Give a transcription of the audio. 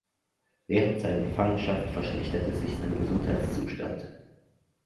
Während seiner Gefangenschaft verschlechterte sich sein Gesundheitszustand.